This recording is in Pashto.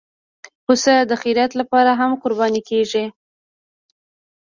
پسه د خیرات لپاره هم قرباني کېږي.